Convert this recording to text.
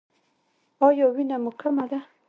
ایا وینه مو کمه ده؟